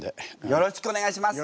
よろしくお願いします。